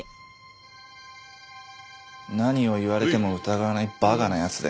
何を言われても疑わない馬鹿な奴で。